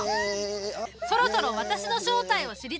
そろそろ私の正体を知りたいだろ？